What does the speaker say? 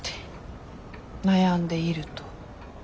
悩んでいると。